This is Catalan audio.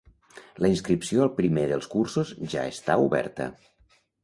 La inscripció al primer dels cursos ja està oberta.